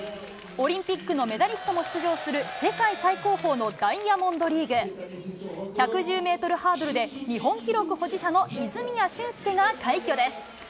オリンピックのメダリストも出場する、世界最高峰のダイヤモンドリーグ。１１０メートルハードルで日本記録保持者の泉谷駿介が快挙です。